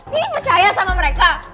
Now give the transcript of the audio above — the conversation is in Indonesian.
nih percaya sama mereka